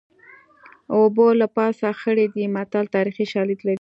اوبه له پاسه خړې دي متل تاریخي شالید لري